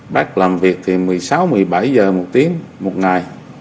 bắt làm việc thì một mươi sáu một mươi bảy giờ một tiếng một ngày